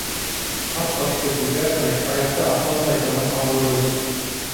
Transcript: Хас башты күтәртмәй, аяҡты атлатмай торған ауырыу.